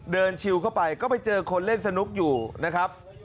ชิวเข้าไปก็ไปเจอคนเล่นสนุกอยู่นะครับ